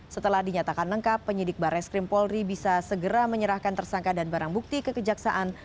setelah dinyatakan lengkap penyidik barreskrim polri bisa segera menyerahkan tersangka dan barang bukti kekejaksaan